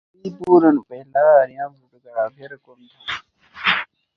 Sainclair first worked as a model for nude photography.